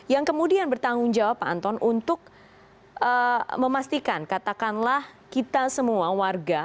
yang kemudian bertanggung jawab pak anton untuk memastikan katakanlah kita semua warga